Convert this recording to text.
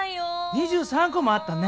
２３こもあったね！